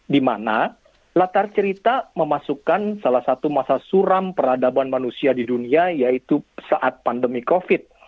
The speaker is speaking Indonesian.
dimana latar cerita memasukkan salah satu masa suram peradaban manusia di dunia yaitu saat pandemi covid